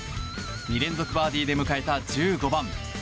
２連続バーディーで迎えた１５番